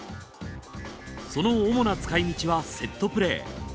その主な使い道はセットプレー。